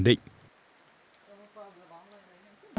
và không được làm ổn định